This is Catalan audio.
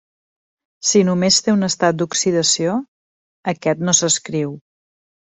Si només té un estat d'oxidació, aquest no s'escriu.